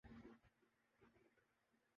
عالمی مالیاتی ادارے اس نظام پر بھروسہ کرتے ہیں۔